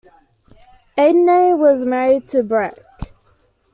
Aidhne was married to Breac.